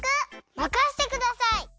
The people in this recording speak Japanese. まかせてください。